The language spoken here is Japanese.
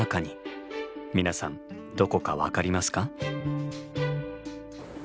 皆さんどこか分かりますか？